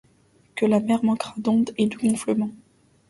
Que la mer manquera d’onde et de gonflement